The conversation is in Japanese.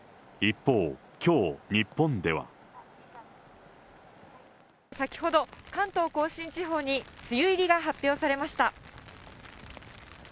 一方、先ほど、関東甲信地方に梅雨入りが発表されました。